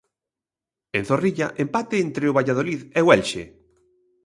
En Zorrilla, empate entre o Valladolid e o Elxe.